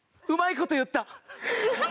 うまい事言った！